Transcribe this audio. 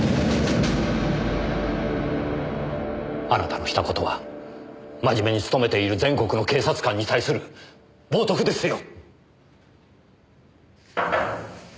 あなたのした事は真面目につとめている全国の警察官に対する冒涜ですよ！